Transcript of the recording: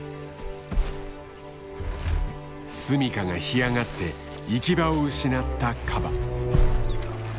すみかが干上がって行き場を失ったカバ。